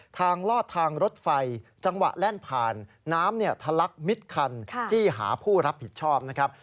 ลอดทางรถไฟจังหวะแล่นผ่านน้ำเนี่ยทะลักมิดคันจี้หาผู้รับผิดชอบนะครับ